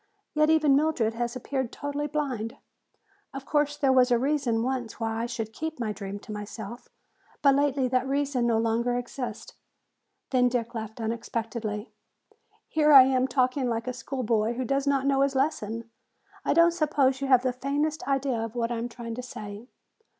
Yet even Mildred has appeared totally blind. Of course there was a reason once why I should keep my dream to myself, but lately that reason no longer exists." Then Dick laughed unexpectedly. "Here I am talking like a school boy who does not know his lesson! I don't suppose you have the faintest idea of what I am trying to say?